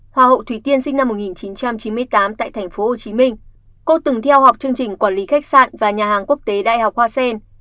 hoa hậu thủy tiên sinh năm một nghìn chín trăm chín mươi tám tại tp hcm cô từng theo học chương trình quản lý khách sạn và nhà hàng quốc tế đại học hoa sen